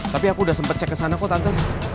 tapi aku udah sempet cek kesana kok tante